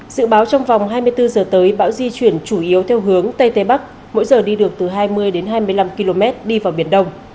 dự báo trong vòng hai mươi bốn giờ tới bão di chuyển chủ yếu theo hướng tây tây bắc mỗi giờ đi được từ hai mươi đến hai mươi năm km đi vào biển đông